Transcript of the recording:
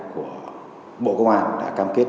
của bộ công an đã cam kết